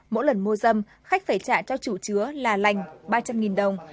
mỗi lần mua dâm khách phải trả cho chủ chứa là lành ba trăm linh đồng